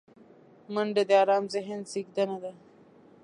منډه د آرام ذهن زیږنده ده